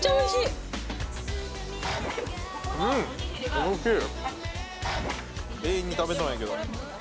おいしい。